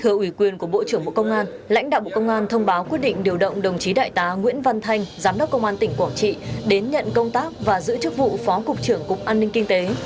thưa ủy quyền của bộ trưởng bộ công an lãnh đạo bộ công an thông báo quyết định điều động đồng chí đại tá nguyễn văn thanh giám đốc công an tỉnh quảng trị đến nhận công tác và giữ chức vụ phó cục trưởng cục an ninh kinh tế